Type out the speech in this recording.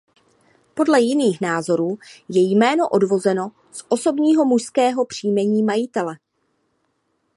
Podle jiných názorů je jméno odvozeno z osobního mužského příjmení majitele.